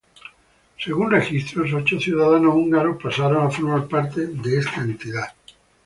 Según registros, ocho ciudadanos húngaros pasaron a formar parte de esta entidad.